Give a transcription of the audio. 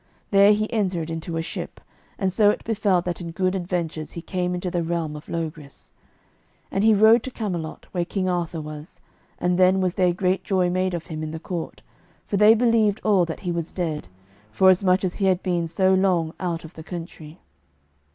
There he entered into a ship, and so it befell that in good adventure he came into the realm of Logris. And he rode to Camelot, where King Arthur was, and then was there great joy made of him in the court, for they believed all that he was dead, forasmuch as he had been so long out of the country.